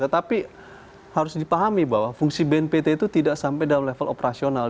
tetapi harus dipahami bahwa fungsi bnpt itu tidak sampai dalam level operasional